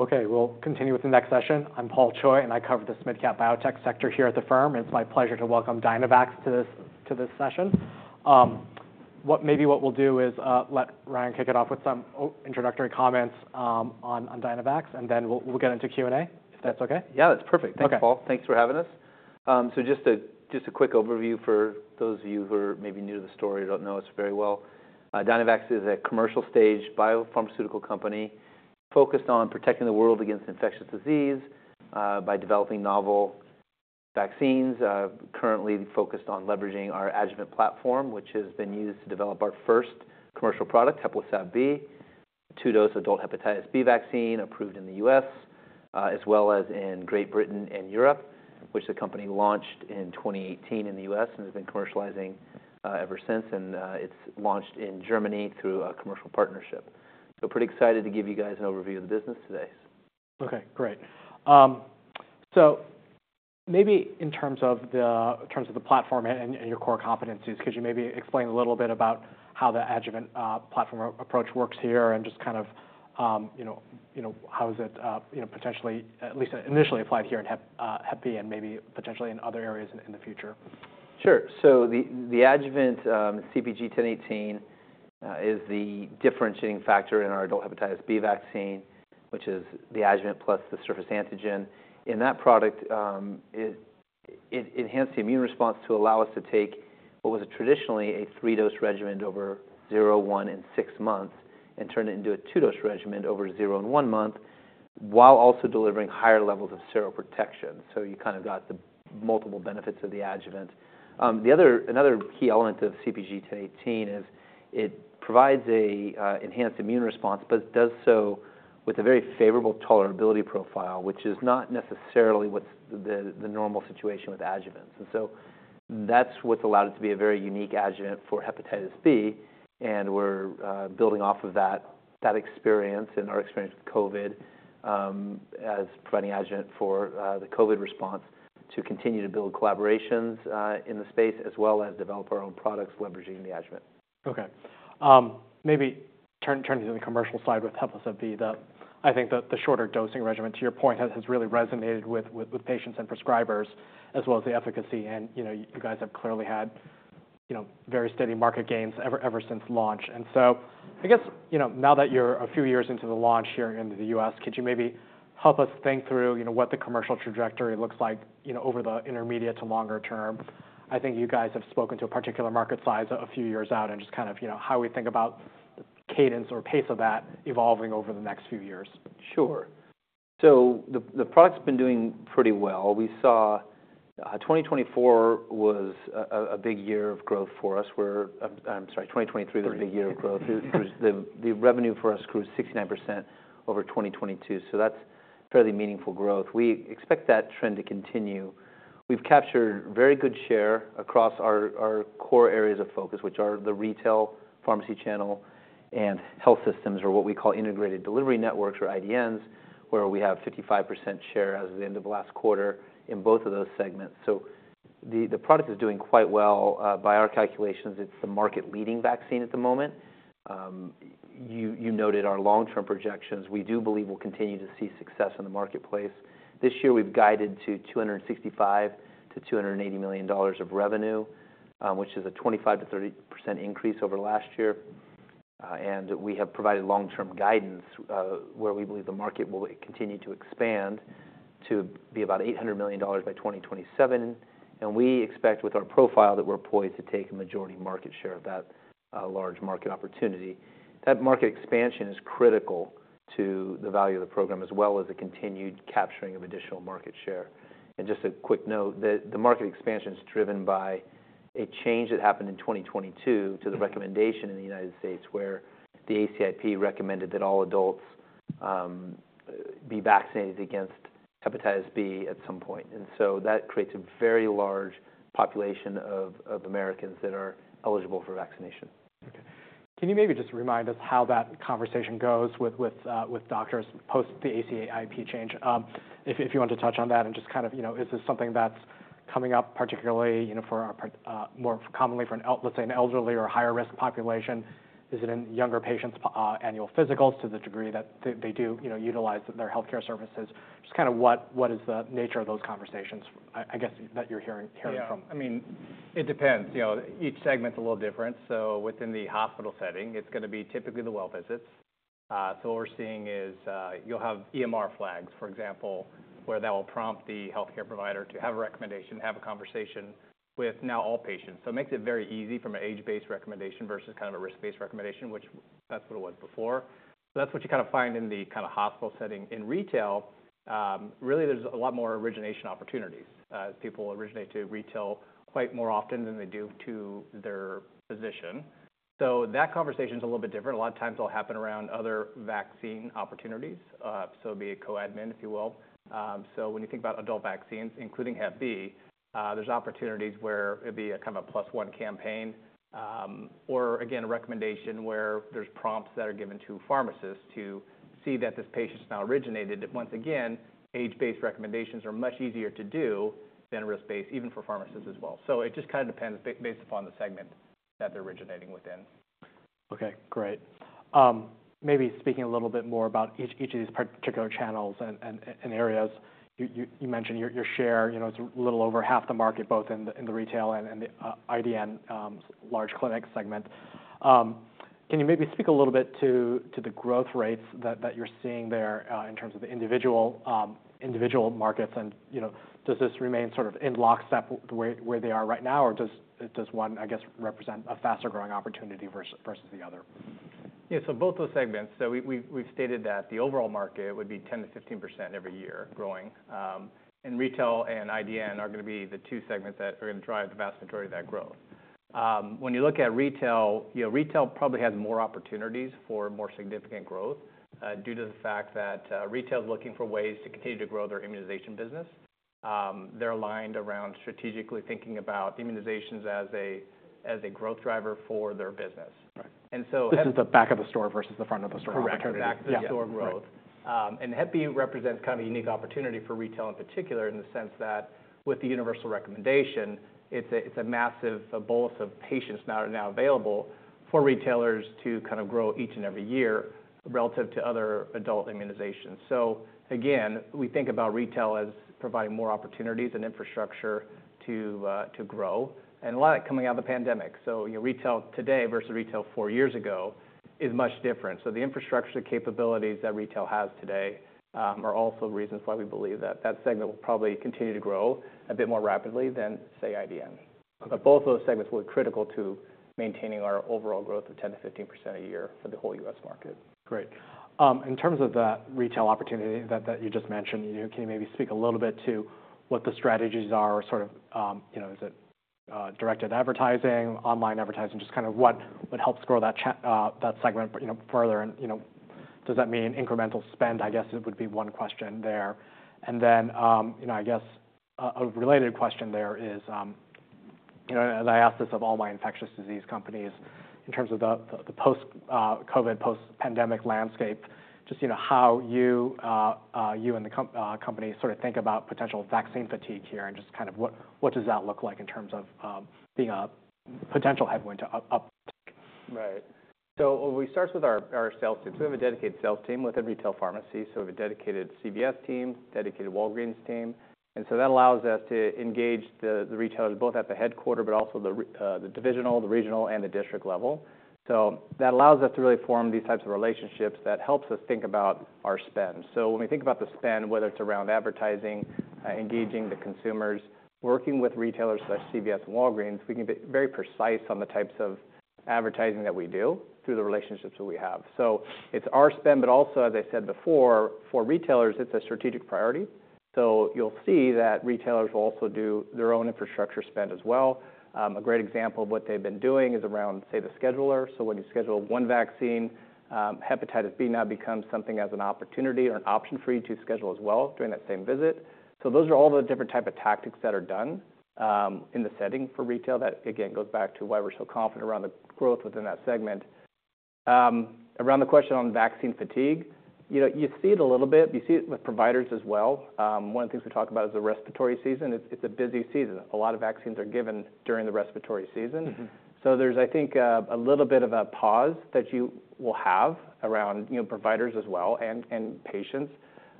Okay, we'll continue with the next session. I'm Paul Cox, and I cover the SMID-cap biotech sector here at the firm. It's my pleasure to welcome Dynavax to this session. Maybe what we'll do is let Ryan kick it off with some introductory comments on Dynavax, and then we'll get into Q&A if that's okay. Yeah, that's perfect. Thanks, Paul. Thanks for having us. So just a quick overview for those of you who are maybe new to the story or don't know us very well. Dynavax is a commercial-stage biopharmaceutical company focused on protecting the world against infectious disease by developing novel vaccines. Currently focused on leveraging our adjuvant platform, which has been used to develop our first commercial product, HEPLISAV-B, a two-dose adult hepatitis B vaccine approved in the U.S., as well as in Great Britain and Europe, which the company launched in 2018 in the U.S. and has been commercializing ever since. It's launched in Germany through a commercial partnership. So pretty excited to give you guys an overview of the business today. Okay, great. So maybe in terms of the platform and your core competencies, could you maybe explain a little bit about how the adjuvant platform approach works here and just kind of how is it potentially, at least initially applied here in Hep B and maybe potentially in other areas in the future? Sure. So the adjuvant CpG 1018 is the differentiating factor in our adult hepatitis B vaccine, which is the adjuvant plus the surface antigen. In that product, it enhanced the immune response to allow us to take what was traditionally a three-dose regimen over zero, one, and six months and turn it into a two-dose regimen over zero and one month while also delivering higher levels of seroprotection. So you kind of got the multiple benefits of the adjuvant. Another key element of CpG 1018 is it provides an enhanced immune response, but does so with a very favorable tolerability profile, which is not necessarily what's the normal situation with adjuvants. And so that's what's allowed it to be a very unique adjuvant for hepatitis B. We're building off of that experience and our experience with COVID as providing adjuvant for the COVID response to continue to build collaborations in the space as well as develop our own products leveraging the adjuvant. Okay. Maybe turning to the commercial side with HEPLISAV-B, I think that the shorter dosing regimen, to your point, has really resonated with patients and prescribers as well as the efficacy. And you guys have clearly had very steady market gains ever since launch. And so I guess now that you're a few years into the launch here in the U.S., could you maybe help us think through what the commercial trajectory looks like over the intermediate to longer term? I think you guys have spoken to a particular market size a few years out and just kind of how we think about the cadence or pace of that evolving over the next few years. Sure. So the product's been doing pretty well. We saw 2024 was a big year of growth for us. I'm sorry, 2023 was a big year of growth. The revenue for us grew 69% over 2022. So that's fairly meaningful growth. We expect that trend to continue. We've captured a very good share across our core areas of focus, which are the retail pharmacy channel and health systems or what we call integrated delivery networks or IDNs, where we have a 55% share as of the end of the last quarter in both of those segments. So the product is doing quite well. By our calculations, it's the market-leading vaccine at the moment. You noted our long-term projections. We do believe we'll continue to see success in the marketplace. This year, we've guided to $265-$280 million of revenue, which is a 25%-30% increase over last year. We have provided long-term guidance where we believe the market will continue to expand to be about $800 million by 2027. We expect with our profile that we're poised to take a majority market share of that large market opportunity. That market expansion is critical to the value of the program as well as the continued capturing of additional market share. Just a quick note, the market expansion is driven by a change that happened in 2022 to the recommendation in the United States where the ACIP recommended that all adults be vaccinated against hepatitis B at some point. So that creates a very large population of Americans that are eligible for vaccination. Okay. Can you maybe just remind us how that conversation goes with doctors post the ACIP change? If you want to touch on that and just kind of is this something that's coming up particularly more commonly for, let's say, an elderly or higher-risk population? Is it in younger patients' annual physicals to the degree that they do utilize their healthcare services? Just kind of what is the nature of those conversations, I guess, that you're hearing from? Yeah. I mean, it depends. Each segment's a little different. So within the hospital setting, it's going to be typically the well visits. So what we're seeing is you'll have EMR flags, for example, where that will prompt the healthcare provider to have a recommendation, have a conversation with now all patients. So it makes it very easy from an age-based recommendation versus kind of a risk-based recommendation, which that's what it was before. That's what you kind of find in the kind of hospital setting. In retail, really, there's a lot more origination opportunities as people originate to retail quite more often than they do to their physician. So that conversation is a little bit different. A lot of times it'll happen around other vaccine opportunities. So it'd be a co-admin, if you will. So when you think about adult vaccines, including Hep B, there's opportunities where it'd be a kind of a plus-one campaign or, again, a recommendation where there's prompts that are given to pharmacists to see that this patient's now originated. Once again, age-based recommendations are much easier to do than risk-based, even for pharmacists as well. So it just kind of depends based upon the segment that they're originating within. Okay, great. Maybe speaking a little bit more about each of these particular channels and areas, you mentioned your share. It's a little over half the market, both in the retail and the IDN large clinic segment. Can you maybe speak a little bit to the growth rates that you're seeing there in terms of the individual markets? And does this remain sort of in lockstep with where they are right now, or does one, I guess, represent a faster growing opportunity versus the other? Yeah, so both those segments. So we've stated that the overall market would be 10%-15% every year growing. And retail and IDN are going to be the two segments that are going to drive the vast majority of that growth. When you look at retail, retail probably has more opportunities for more significant growth due to the fact that retail is looking for ways to continue to grow their immunization business. They're aligned around strategically thinking about immunizations as a growth driver for their business. Right. This is the back of the store versus the front of the store. Correct. Exactly. The store growth. Hep B represents kind of a unique opportunity for retail in particular in the sense that with the universal recommendation, it's a massive bolus of patients now available for retailers to kind of grow each and every year relative to other adult immunizations. So again, we think about retail as providing more opportunities and infrastructure to grow and a lot of it coming out of the pandemic. So retail today versus retail four years ago is much different. So the infrastructure capabilities that retail has today are also reasons why we believe that that segment will probably continue to grow a bit more rapidly than, say, IDN. But both of those segments will be critical to maintaining our overall growth of 10%-15% a year for the whole U.S. market. Great. In terms of that retail opportunity that you just mentioned, can you maybe speak a little bit to what the strategies are? Sort of is it directed advertising, online advertising, just kind of what helps grow that segment further? And does that mean incremental spend? I guess it would be one question there. And then I guess a related question there is, and I ask this of all my infectious disease companies, in terms of the post-COVID, post-pandemic landscape, just how you and the company sort of think about potential vaccine fatigue here and just kind of what does that look like in terms of being a potential headwind to uptick? Right. So we start with our sales teams. We have a dedicated sales team within retail pharmacy. So we have a dedicated CVS team, dedicated Walgreens team. And so that allows us to engage the retailers both at the headquarters, but also the divisional, the regional, and the district level. So that allows us to really form these types of relationships that helps us think about our spend. So when we think about the spend, whether it's around advertising, engaging the consumers, working with retailers like CVS and Walgreens, we can be very precise on the types of advertising that we do through the relationships that we have. So it's our spend, but also, as I said before, for retailers, it's a strategic priority. So you'll see that retailers will also do their own infrastructure spend as well. A great example of what they've been doing is around, say, the scheduler. So when you schedule one vaccine, hepatitis B now becomes something as an opportunity or an option for you to schedule as well during that same visit. So those are all the different types of tactics that are done in the setting for retail that, again, goes back to why we're so confident around the growth within that segment. Around the question on vaccine fatigue, you see it a little bit. You see it with providers as well. One of the things we talk about is the respiratory season. It's a busy season. A lot of vaccines are given during the respiratory season. So there's, I think, a little bit of a pause that you will have around providers as well and patients.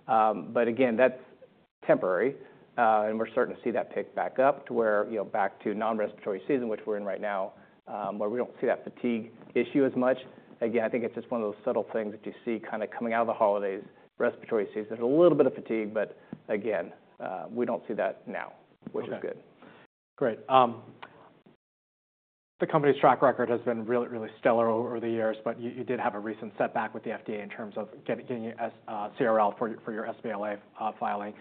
But again, that's temporary. We're starting to see that pick back up to back to non-respiratory season, which we're in right now, where we don't see that fatigue issue as much. Again, I think it's just one of those subtle things that you see kind of coming out of the holidays, respiratory season, a little bit of fatigue, but again, we don't see that now, which is good. Great. The company's track record has been really, really stellar over the years, but you did have a recent setback with the FDA in terms of getting CRL for your sBLA filing.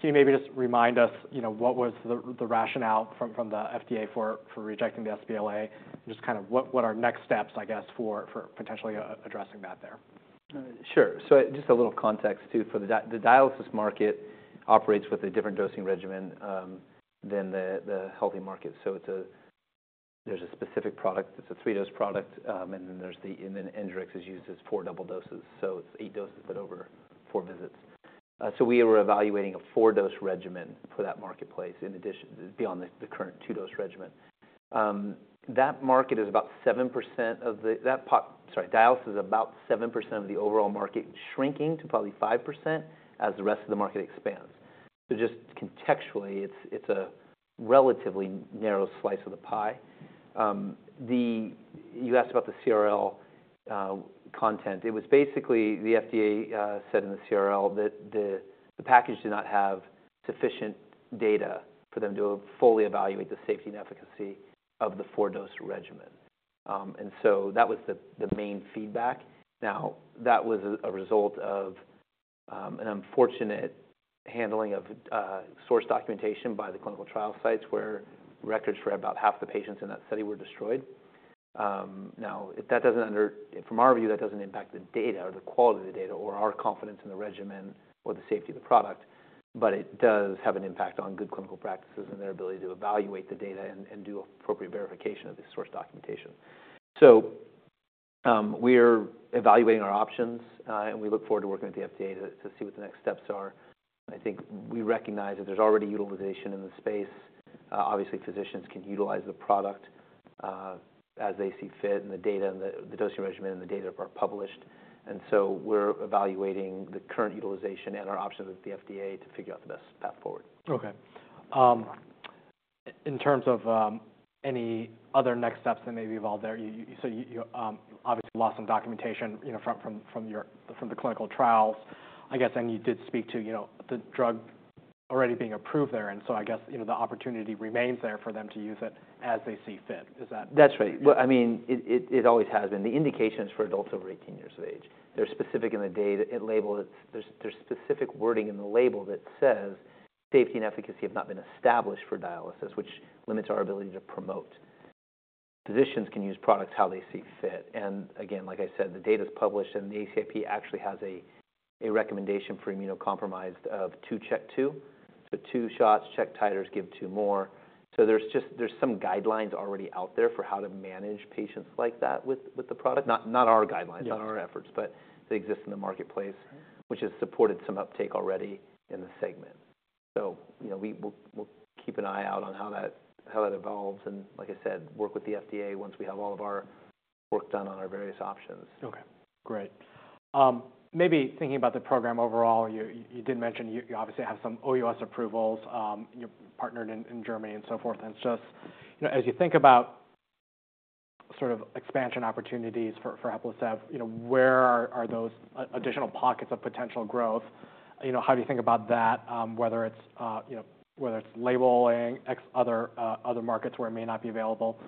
Can you maybe just remind us what was the rationale from the FDA for rejecting the sBLA and just kind of what are next steps, I guess, for potentially addressing that there? Sure. So just a little context too. The dialysis market operates with a different dosing regimen than the healthy market. So there's a specific product. It's a 3-dose product. And then the Engerix is used as four double doses. So it's 8 doses, but over 4 visits. So we were evaluating a 4-dose regimen for that marketplace beyond the current 2-dose regimen. That market is about 7% of the dialysis is about 7% of the overall market, shrinking to probably 5% as the rest of the market expands. So just contextually, it's a relatively narrow slice of the pie. You asked about the CRL content. It was basically the FDA said in the CRL that the package did not have sufficient data for them to fully evaluate the safety and efficacy of the 4-dose regimen. And so that was the main feedback. Now, that was a result of an unfortunate handling of source documentation by the clinical trial sites where records for about half the patients in that study were destroyed. Now, from our view, that doesn't impact the data or the quality of the data or our confidence in the regimen or the safety of the product, but it does have an impact on good clinical practices and their ability to evaluate the data and do appropriate verification of the source documentation. So we're evaluating our options, and we look forward to working with the FDA to see what the next steps are. I think we recognize that there's already utilization in the space. Obviously, physicians can utilize the product as they see fit and the data and the dosing regimen and the data are published. We're evaluating the current utilization and our options with the FDA to figure out the best path forward. Okay. In terms of any other next steps that may be involved there, so you obviously lost some documentation from the clinical trials, I guess, and you did speak to the drug already being approved there. And so I guess the opportunity remains there for them to use it as they see fit. Is that? That's right. I mean, it always has been. The indications for adults over 18 years of age. There's specific in the data. There's specific wording in the label that says safety and efficacy have not been established for dialysis, which limits our ability to promote. Physicians can use products how they see fit. And again, like I said, the data is published, and the ACIP actually has a recommendation for immunocompromised of two check two. So two shots, check titers, give two more. So there's some guidelines already out there for how to manage patients like that with the product. Not our guidelines, not our efforts, but they exist in the marketplace, which has supported some uptake already in the segment. So we'll keep an eye out on how that evolves. Like I said, work with the FDA once we have all of our work done on our various options. Okay. Great. Maybe thinking about the program overall, you did mention you obviously have some OUS approvals. You're partnered in Germany and so forth. And just as you think about sort of expansion opportunities for HEPLISAV-B, where are those additional pockets of potential growth? How do you think about that, whether it's labeling, other markets where it may not be available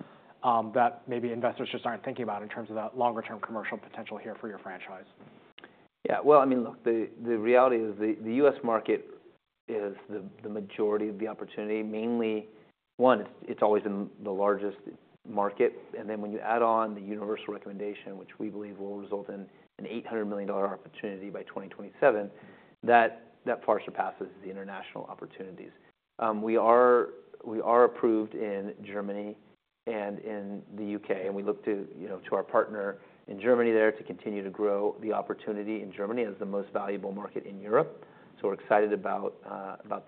that maybe investors just aren't thinking about in terms of that longer-term commercial potential here for your franchise? Yeah. Well, I mean, look, the reality is the U.S. market is the majority of the opportunity. Mainly, one, it's always the largest market. And then when you add on the universal recommendation, which we believe will result in an $800 million opportunity by 2027, that far surpasses the international opportunities. We are approved in Germany and in the U.K. And we look to our partner in Germany there to continue to grow the opportunity in Germany as the most valuable market in Europe. So we're excited about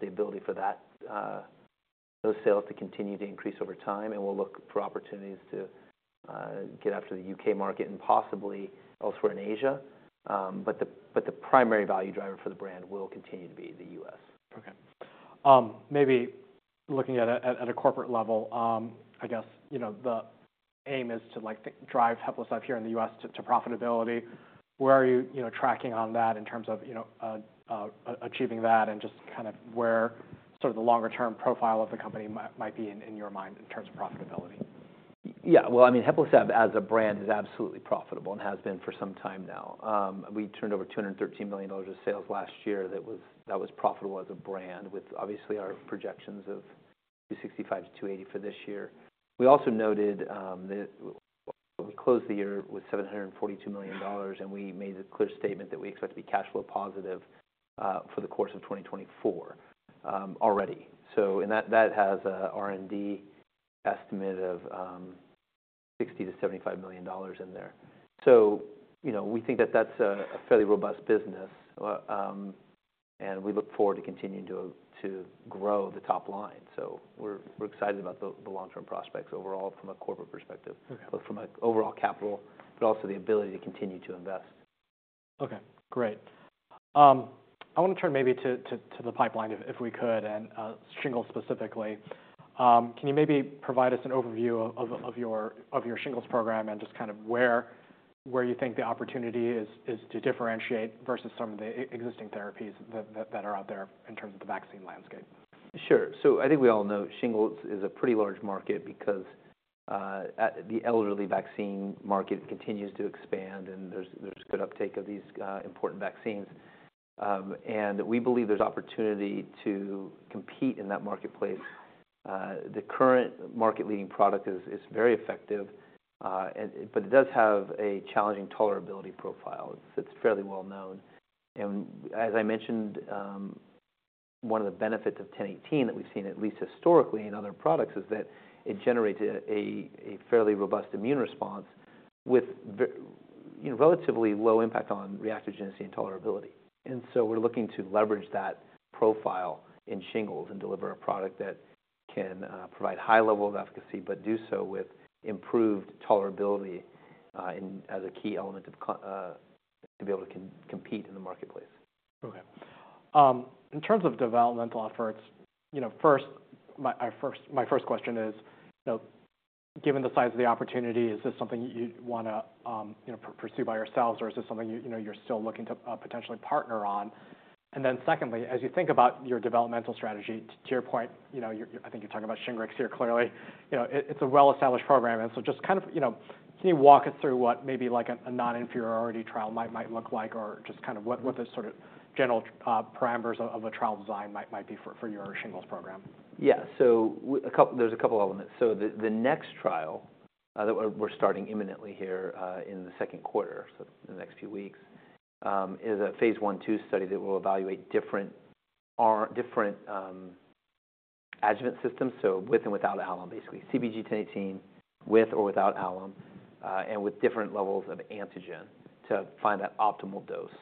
the ability for those sales to continue to increase over time. And we'll look for opportunities to get after the U.K. market and possibly elsewhere in Asia. But the primary value driver for the brand will continue to be the U.S. Okay. Maybe looking at a corporate level, I guess the aim is to drive HEPLISAV-B here in the U.S. to profitability. Where are you tracking on that in terms of achieving that and just kind of where sort of the longer-term profile of the company might be in your mind in terms of profitability? Yeah. Well, I mean, HEPLISAV-B as a brand is absolutely profitable and has been for some time now. We turned over $213 million of sales last year that was profitable as a brand with obviously our projections of $265-$280 for this year. We also noted that we closed the year with $742 million, and we made the clear statement that we expect to be cash flow positive for the course of 2024 already. And that has an R&D estimate of $60-$75 million in there. So we think that that's a fairly robust business, and we look forward to continuing to grow the top line. So we're excited about the long-term prospects overall from a corporate perspective, both from an overall capital, but also the ability to continue to invest. Okay. Great. I want to turn maybe to the pipeline if we could and Shingles specifically. Can you maybe provide us an overview of your Shingles program and just kind of where you think the opportunity is to differentiate versus some of the existing therapies that are out there in terms of the vaccine landscape? Sure. So I think we all know shingles is a pretty large market because the elderly vaccine market continues to expand, and there's good uptake of these important vaccines. And we believe there's opportunity to compete in that marketplace. The current market-leading product is very effective, but it does have a challenging tolerability profile. It's fairly well known. And as I mentioned, one of the benefits of 1018 that we've seen, at least historically in other products, is that it generates a fairly robust immune response with relatively low impact on reactogenicity and tolerability. And so we're looking to leverage that profile in shingles and deliver a product that can provide high level of efficacy, but do so with improved tolerability as a key element to be able to compete in the marketplace. Okay. In terms of developmental efforts, first, my first question is, given the size of the opportunity, is this something you'd want to pursue by yourselves, or is this something you're still looking to potentially partner on? And then secondly, as you think about your developmental strategy, to your point, I think you're talking about SHINGRIX here clearly. It's a well-established program. And so just kind of can you walk us through what maybe like a non-inferiority trial might look like or just kind of what the sort of general parameters of a trial design might be for your Shingles program? Yeah. So there's a couple of elements. So the next trial that we're starting imminently here in the second quarter, so in the next few weeks, is a phase I/2 study that will evaluate different adjuvant systems, so with and without alum, basically CpG 1018 with or without alum and with different levels of antigen to find that optimal dose.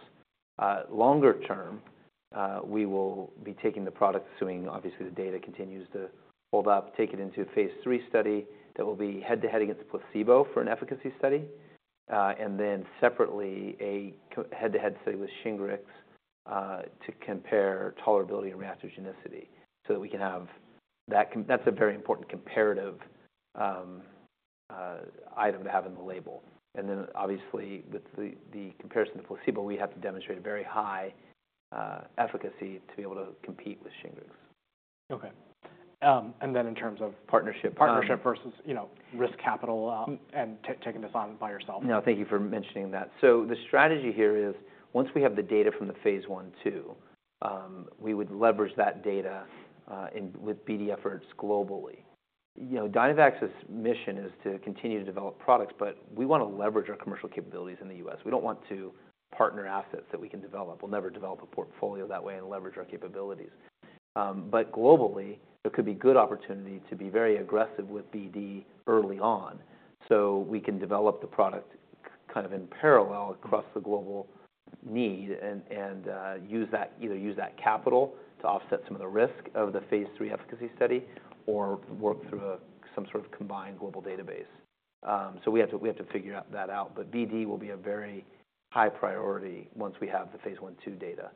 Longer term, we will be taking the product assuming, obviously, the data continues to hold up, take it into a phase III study that will be head-to-head against placebo for an efficacy study. And then separately, a head-to-head study with Shingrix to compare tolerability and reactogenicity so that we can have that. That's a very important comparative item to have in the label. And then obviously, with the comparison to placebo, we have to demonstrate a very high efficacy to be able to compete with Shingrix. Okay. And then in terms of partnership versus risk capital and taking this on by yourself. No, thank you for mentioning that. So the strategy here is once we have the data from the phase I/2, we would leverage that data with BD efforts globally. Dynavax's mission is to continue to develop products, but we want to leverage our commercial capabilities in the U.S. We don't want to partner assets that we can develop. We'll never develop a portfolio that way and leverage our capabilities. But globally, there could be good opportunity to be very aggressive with BD early on so we can develop the product kind of in parallel across the global need and either use that capital to offset some of the risk of the phase III efficacy study or work through some sort of combined global database. So we have to figure that out. BD will be a very high priority once we have the phase I/2 data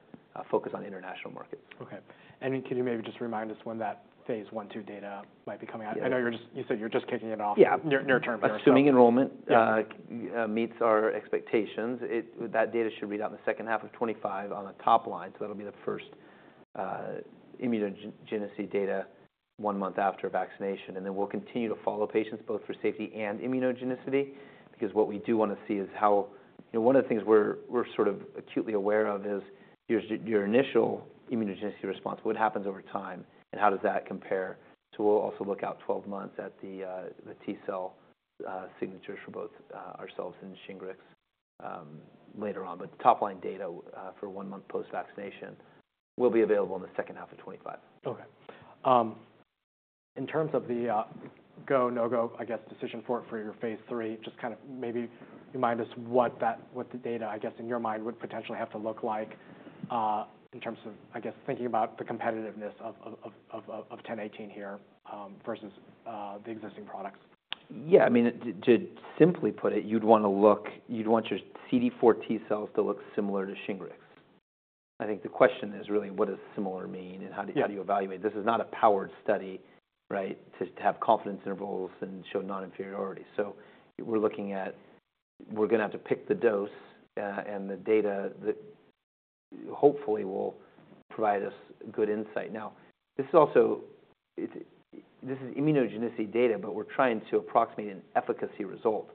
focused on international markets. Okay. Can you maybe just remind us when that phase I/2 data might be coming out? I know you said you're just kicking it off near term there. Yeah. Assuming enrollment meets our expectations, that data should read out in the second half of 2025 on the top line. So that'll be the first immunogenicity data one month after vaccination. And then we'll continue to follow patients both for safety and immunogenicity because what we do want to see is how one of the things we're sort of acutely aware of is your initial immunogenicity response, what happens over time, and how does that compare. So we'll also look out 12 months at the T cell signatures for both ourselves and Shingrix later on. But top line data for one month post-vaccination will be available in the second half of 2025. Okay. In terms of the go, no go, I guess, decision for your phase three, just kind of maybe remind us what the data, I guess, in your mind would potentially have to look like in terms of, I guess, thinking about the competitiveness of 1018 here versus the existing products? Yeah. I mean, to simply put it, you'd want your CD4 T cells to look similar to Shingrix. I think the question is really what does similar mean and how do you evaluate? This is not a powered study, right, to have confidence intervals and show non-inferiority. So we're going to have to pick the dose and the data that hopefully will provide us good insight. Now, this is immunogenicity data, but we're trying to approximate an efficacy result.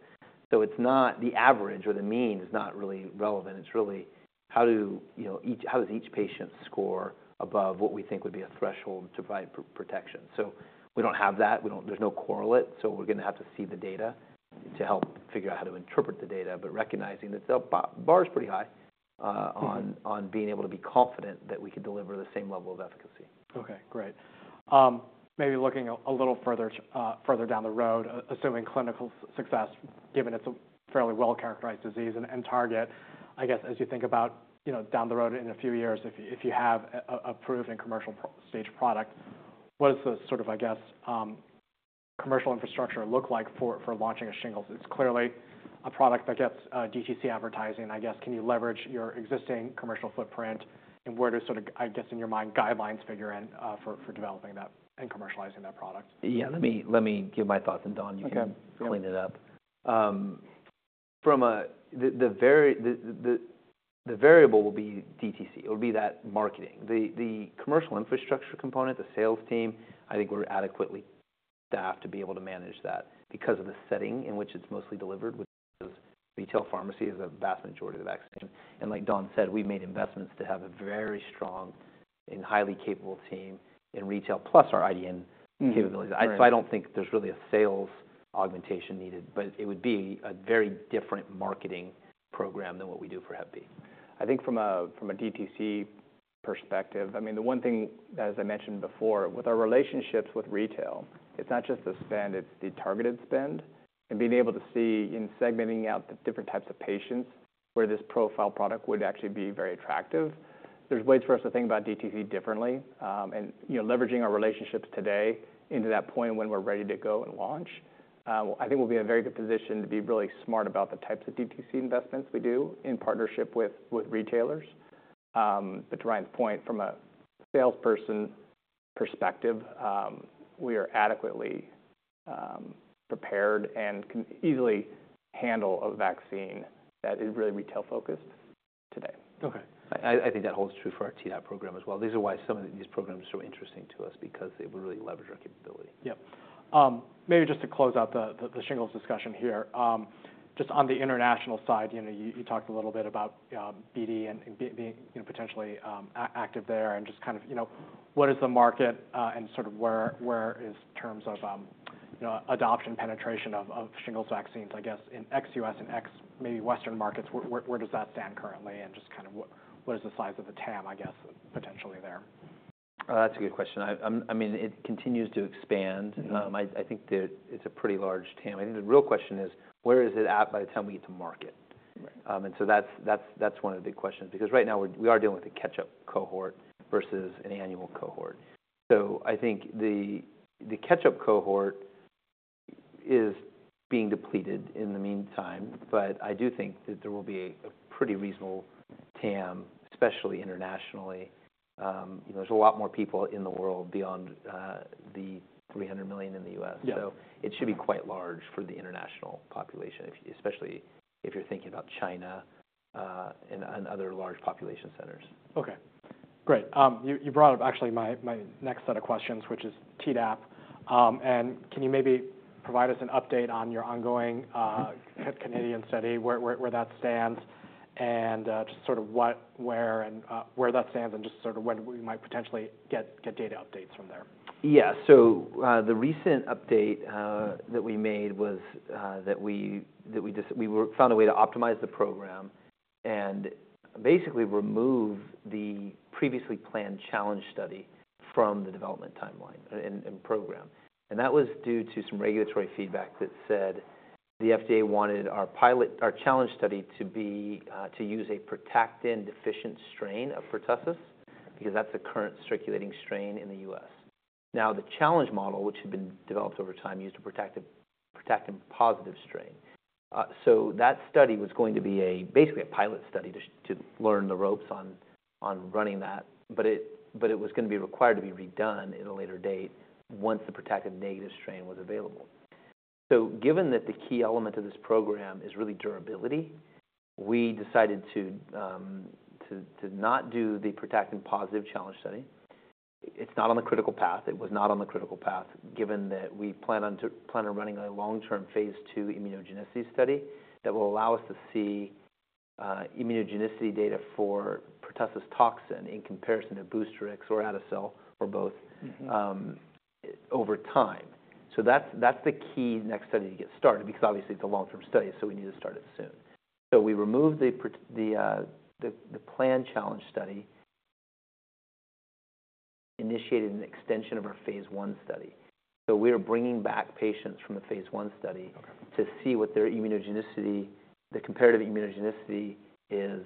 So the average or the mean is not really relevant. It's really how does each patient score above what we think would be a threshold to provide protection. So we don't have that. There's no correlate. We're going to have to see the data to help figure out how to interpret the data, but recognizing that the bar is pretty high on being able to be confident that we can deliver the same level of efficacy. Okay. Great. Maybe looking a little further down the road, assuming clinical success, given it's a fairly well-characterized disease and target, I guess, as you think about down the road in a few years, if you have approved and commercial stage product, what does the sort of, I guess, commercial infrastructure look like for launching a shingles? It's clearly a product that gets DTC advertising, I guess. Can you leverage your existing commercial footprint? And where do sort of, I guess, in your mind, guidelines figure in for developing that and commercializing that product? Yeah. Let me give my thoughts, and Don, you can clean it up. The variable will be DTC. It will be that marketing. The commercial infrastructure component, the sales team, I think we're adequately staffed to be able to manage that because of the setting in which it's mostly delivered, which is retail pharmacy, is a vast majority of the vaccine. And like Don said, we've made investments to have a very strong and highly capable team in retail, plus our IDN capabilities. So I don't think there's really a sales augmentation needed, but it would be a very different marketing program than what we do for Hep B. I think from a DTC perspective, I mean, the one thing that, as I mentioned before, with our relationships with retail, it's not just the spend, it's the targeted spend. And being able to see in segmenting out the different types of patients where this profile product would actually be very attractive. There's ways for us to think about DTC differently. And leveraging our relationships today into that point when we're ready to go and launch, I think we'll be in a very good position to be really smart about the types of DTC investments we do in partnership with retailers. But to Ryan's point, from a salesperson perspective, we are adequately prepared and can easily handle a vaccine that is really retail-focused today. Okay. I think that holds true for our Tdap program as well. These are why some of these programs are so interesting to us because they will really leverage our capability. Yep. Maybe just to close out the Shingles discussion here, just on the international side, you talked a little bit about BD and being potentially active there and just kind of what is the market and sort of where it stands in terms of adoption penetration of Shingles vaccines, I guess, in ex-U.S. and ex-maybe Western markets? Where does that stand currently? And just kind of what is the size of the TAM, I guess, potentially there? That's a good question. I mean, it continues to expand. I think that it's a pretty large TAM. I think the real question is where is it at by the time we get to market? And so that's one of the big questions because right now we are dealing with a catch-up cohort versus an annual cohort. So I think the catch-up cohort is being depleted in the meantime, but I do think that there will be a pretty reasonable TAM, especially internationally. There's a lot more people in the world beyond the 300 million in the U.S. So it should be quite large for the international population, especially if you're thinking about China and other large population centers. Okay. Great. You brought up actually my next set of questions, which is Tdap. Can you maybe provide us an update on your ongoing Canadian study, where that stands, and just sort of where that stands and just sort of when we might potentially get data updates from there? Yeah. So the recent update that we made was that we found a way to optimize the program and basically remove the previously planned challenge study from the development timeline and program. And that was due to some regulatory feedback that said the FDA wanted our challenge study to use a pertactin-deficient strain of pertussis because that's the current circulating strain in the U.S. Now, the challenge model, which had been developed over time, used a pertactin-positive strain. So that study was going to be basically a pilot study to learn the ropes on running that, but it was going to be required to be redone at a later date once the pertactin-negative strain was available. So given that the key element of this program is really durability, we decided to not do the pertactin-positive challenge study. It's not on the critical path. It was not on the critical path given that we plan on running a long-term phase two immunogenicity study that will allow us to see immunogenicity data for pertussis toxin in comparison to Boostrix or Adacel or both over time. That's the key next study to get started because obviously it's a long-term study, so we need to start it soon. We removed the planned challenge study, initiated an extension of our phase one study. We are bringing back patients from the phase one study to see what their immunogenicity, the comparative immunogenicity is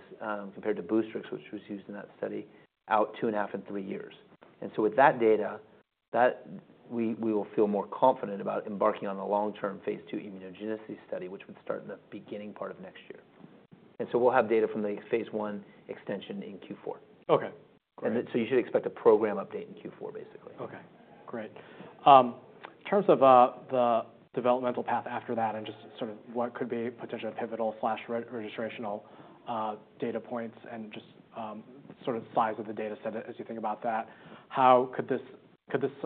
compared to Boostrix, which was used in that study, at 2.5 and 3 years. With that data, we will feel more confident about embarking on a long-term phase two immunogenicity study, which would start in the beginning part of next year. We'll have data from the phase I extension in Q4. Okay. And so you should expect a program update in Q4, basically. Okay. Great. In terms of the developmental path after that and just sort of what could be potentially a pivotal/registrational data points and just sort of size of the data set as you think about that, how could this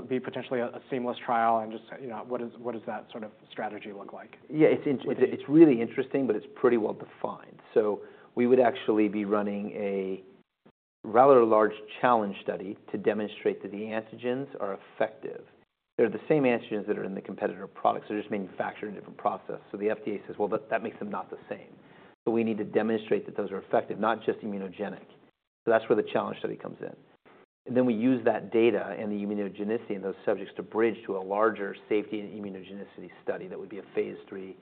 be potentially a seamless trial and just what does that sort of strategy look like? Yeah. It's really interesting, but it's pretty well defined. So we would actually be running a rather large challenge study to demonstrate that the antigens are effective. They're the same antigens that are in the competitor products. They're just manufactured in a different process. So the FDA says, "Well, that makes them not the same." So we need to demonstrate that those are effective, not just immunogenic. So that's where the challenge study comes in. And then we use that data and the immunogenicity in those subjects to bridge to a larger safety and immunogenicity study that would be a phase three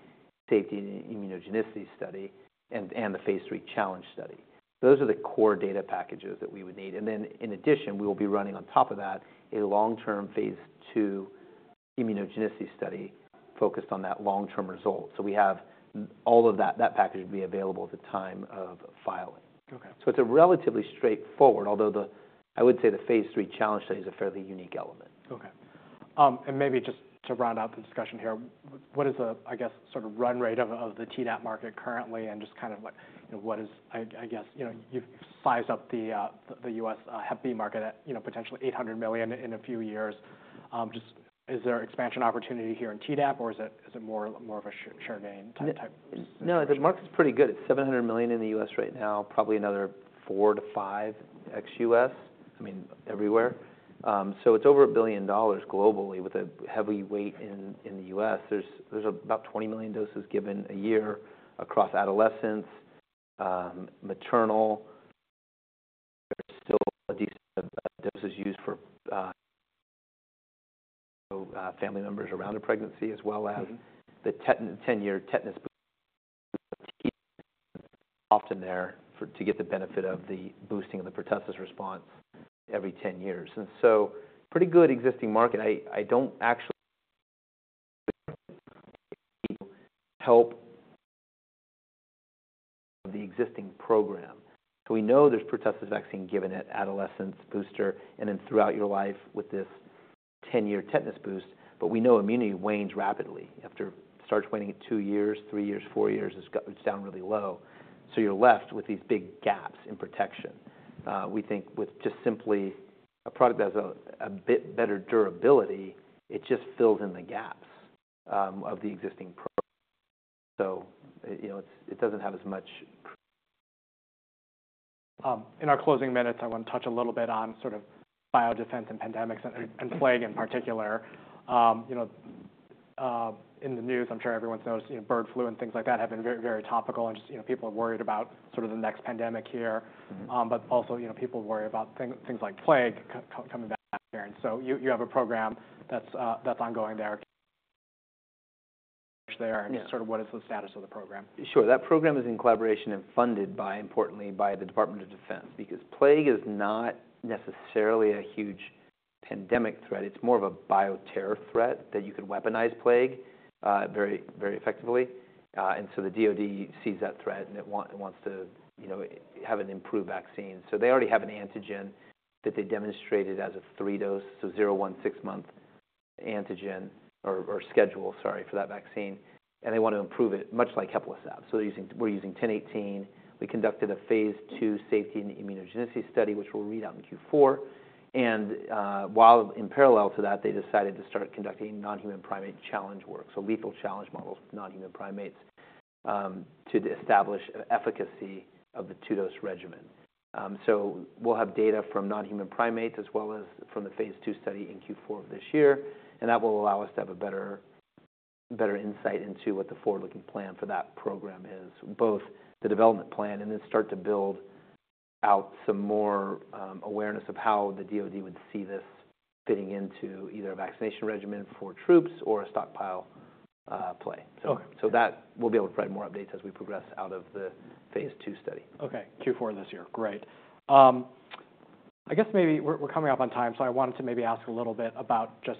safety and immunogenicity study and the phase three challenge study. Those are the core data packages that we would need. And then in addition, we will be running on top of that a long-term phase two immunogenicity study focused on that long-term result. So we have all of that. That package would be available at the time of filing. So it's relatively straightforward, although I would say the phase III challenge study is a fairly unique element. Okay. And maybe just to round out the discussion here, what is the, I guess, sort of run rate of the Tdap market currently and just kind of what is, I guess, you've sized up the U.S. Hep B market at potentially $800 million in a few years. Just is there expansion opportunity here in Tdap, or is it more of a share gain type? No. The market's pretty good. It's $700 million in the U.S. right now, probably another four-five ex-U.S., I mean, everywhere. So it's over $1 billion globally with a heavy weight in the U.S. There's about 20 million doses given a year across adolescents, maternal. There's still a decent dose used for family members around a pregnancy as well as the 10-year tetanus booster is often there to get the benefit of the boosting of the pertussis response every 10 years. And so pretty good existing market. I don't actually help the existing program. So we know there's pertussis vaccine given at adolescents, booster, and then throughout your life with this 10-year tetanus boost, but we know immunity wanes rapidly. After it starts waning at two years, three years, four years, it's down really low. So you're left with these big gaps in protection. We think with just simply a product that has a bit better durability, it just fills in the gaps of the existing program. So it doesn't have as much. In our closing minutes, I want to touch a little bit on sort of biodefense and pandemics and plague in particular. In the news, I'm sure everyone's noticed bird flu and things like that have been very topical and just people are worried about sort of the next pandemic here. But also people worry about things like plague coming back here. And so you have a program that's ongoing there. And sort of what is the status of the program? Sure. That program is in collaboration and funded importantly by the Department of Defense because plague is not necessarily a huge pandemic threat. It's more of a bioterror threat that you could weaponize plague very effectively. And so the DOD sees that threat and it wants to have an improved vaccine. So they already have an antigen that they demonstrated as a three-dose, so zero, one, six-month antigen or schedule, sorry, for that vaccine. And they want to improve it much like HEPLISAV. So we're using 1018. We conducted a phase II safety and immunogenicity study, which we'll read out in Q4. And while in parallel to that, they decided to start conducting non-human primate challenge work, so lethal challenge models with non-human primates to establish efficacy of the two-dose regimen. We'll have data from non-human primates as well as from the phase two study in Q4 of this year. That will allow us to have a better insight into what the forward-looking plan for that program is, both the development plan and then start to build out some more awareness of how the DOD would see this fitting into either a vaccination regimen for troops or a stockpile play. We'll be able to provide more updates as we progress out of the phase two study. Okay. Q4 this year. Great. I guess maybe we're coming up on time, so I wanted to maybe ask a little bit about just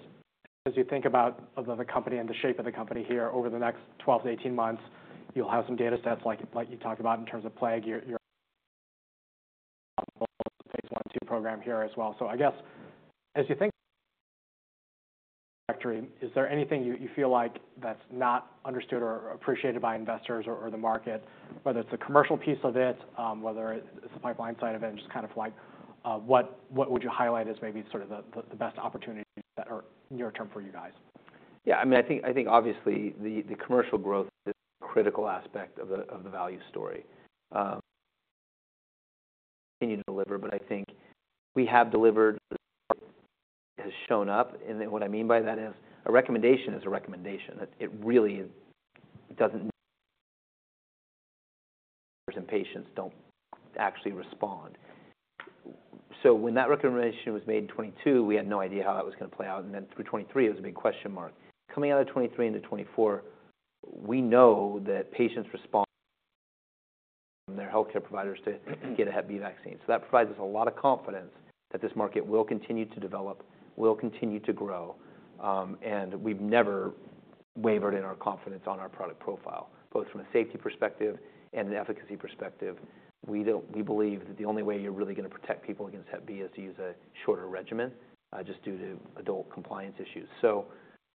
as you think about the company and the shape of the company here over the next 12-18 months, you'll have some data sets like you talked about in terms of plague. You're on both the phase one and two program here as well. So I guess as you think of the trajectory, is there anything you feel like that's not understood or appreciated by investors or the market, whether it's the commercial piece of it, whether it's the pipeline side of it, and just kind of like what would you highlight as maybe sort of the best opportunity that are near term for you guys? Yeah. I mean, I think obviously the commercial growth is a critical aspect of the value story. Continue to deliver. But I think we have delivered has shown up. And what I mean by that is a recommendation is a recommendation. It really doesn't mean patients don't actually respond. So when that recommendation was made in 2022, we had no idea how that was going to play out. And then through 2023, it was a big question mark. Coming out of 2023 into 2024, we know that patients respond from their healthcare providers to get a Hep B vaccine. So that provides us a lot of confidence that this market will continue to develop, will continue to grow. And we've never wavered in our confidence on our product profile, both from a safety perspective and an efficacy perspective. We believe that the only way you're really going to protect people against Hep B is to use a shorter regimen just due to adult compliance issues. So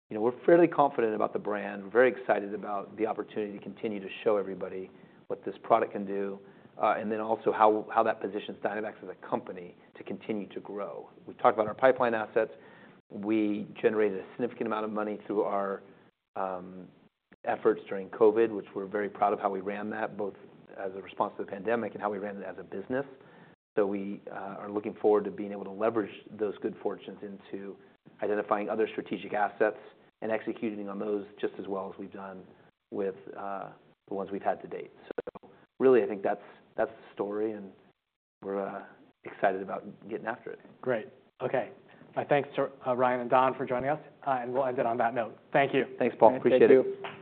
we're fairly confident about the brand. We're very excited about the opportunity to continue to show everybody what this product can do and then also how that positions Dynavax as a company to continue to grow. We talked about our pipeline assets. We generated a significant amount of money through our efforts during COVID, which we're very proud of how we ran that, both as a response to the pandemic and how we ran it as a business. So we are looking forward to being able to leverage those good fortunes into identifying other strategic assets and executing on those just as well as we've done with the ones we've had to date. So really, I think that's the story, and we're excited about getting after it. Great. Okay. Thanks, Ryan and Don, for joining us, and we'll end it on that note. Thank you. Thanks, Paul. Appreciate it. Thank you.